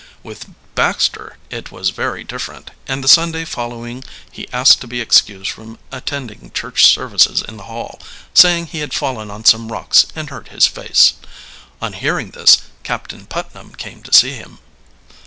With Baxter it was very different, and the Sunday following he asked to be excused from attending church services in the Hall, saying he had fallen on some rocks and hurt his face. On hearing this, Captain Putnam came to see him.